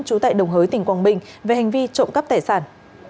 trú tại đồng hới tỉnh quảng bình về hành vi trộm cắp tài sản